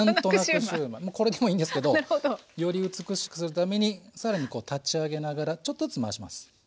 もうこれでもいいんですけどより美しくするために更にこう立ち上げながらちょっとずつ回します。